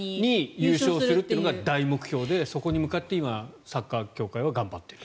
優勝するというのが目標というそこに向かって、今サッカー協会は頑張っていると。